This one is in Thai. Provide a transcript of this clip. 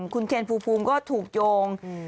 คุณเคนภูมิก็ถูกโยง